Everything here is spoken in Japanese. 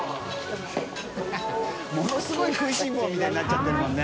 垢瓦食いしん坊みたいになっちゃってるもんね。